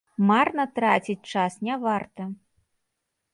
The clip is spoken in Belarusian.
Марна траціць час не варта!